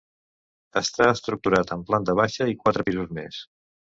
Està estructurat en planta baixa i quatre pisos més.